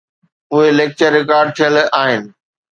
اهي lecture record ٿيل آهن